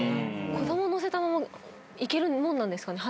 子供乗せたままいけるもんなんですかね。